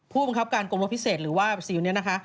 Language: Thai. ผู้บังคับการกรมโลกพิเศษหรือว่าสี่วันนี้นะคะ